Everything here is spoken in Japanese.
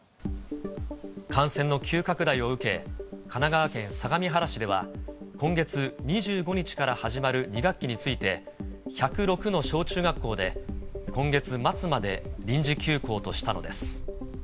感染の急拡大を受け、神奈川県相模原市では、今月２５日から始まる２学期について、１０６の小中学校で今月末まで臨時休校としたのです。